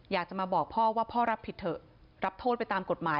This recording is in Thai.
อยากจะมาบอกพ่อว่าพ่อรับผิดเถอะรับโทษไปตามกฎหมาย